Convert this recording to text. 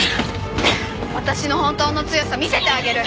私の本当の強さ見せてあげる。